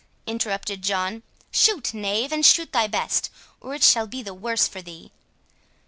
interrupted John, "shoot, knave, and shoot thy best, or it shall be the worse for thee!"